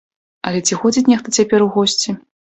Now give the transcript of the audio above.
Але ці ходзіць нехта цяпер у госці?